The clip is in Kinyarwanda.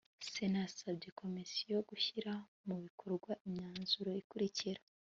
sena yasabye komisiyo gushyira mu bikorwa imyanzuro ikurikira